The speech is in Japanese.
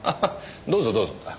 どうぞどうぞ。